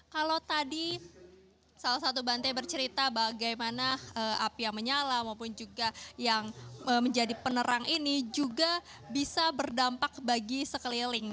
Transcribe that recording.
kalau tadi salah satu bantai bercerita bagaimana api yang menyala maupun juga yang menjadi penerang ini juga bisa berdampak bagi sekeliling